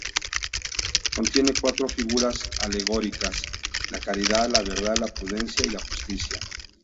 Contiene cuatro figuras alegóricas: la Caridad, la Verdad, la Prudencia y la Justicia.